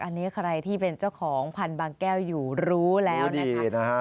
อันนี้ใครที่เป็นเจ้าของพันธุ์บางแก้วอยู่รู้แล้วนะคะ